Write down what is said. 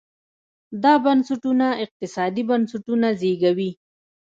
دا بنسټونه اقتصادي بنسټونه زېږوي.